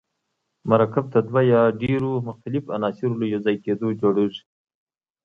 مرکب د دوه یا ډیرو مختلفو عناصرو له یوځای کیدو جوړیږي.